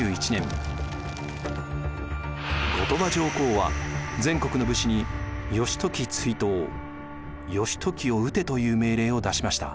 後鳥羽上皇は全国の武士に「義時追討」「義時を討て」という命令を出しました。